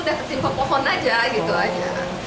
sudah tertimpa pohon aja gitu aja